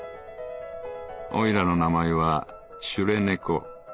おいらの名前はシュレ猫。